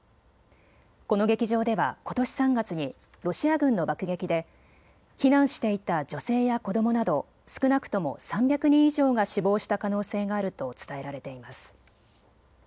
この劇場では、ことし３月にロシア軍の爆撃で避難していた女性や子どもなど少なくとも３００人以上が死亡した可能性があると伝えられています。